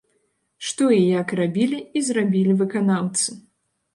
Што і як рабілі і зрабілі выканаўцы.